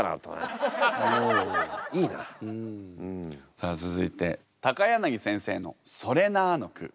さあ続いて柳先生の「それな」の句